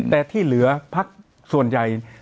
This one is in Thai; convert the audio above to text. แต่ที่เหลือพักส่วนใหญ่